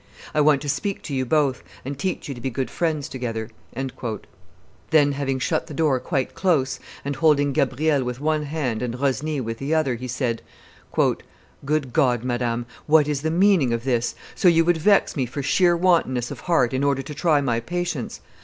I want to speak to you both, and teach you to be good friends together." Then, having shut the door quite close, and holding Gabrielle with one hand and Rosny with the other, he said, "Good God! madame, what is the meaning of this? So you would vex me for sheer wantonness of heart in order to try my patience?